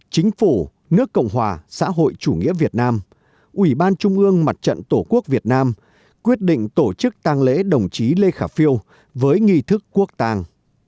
chính phủ nước cộng hòa xã hội chủ nghĩa việt nam ủy ban trung ương mặt trận tổ quốc việt nam quyết định tổ chức tàng lễ đồng chí lê khả phiêu với nghi thức quốc tàng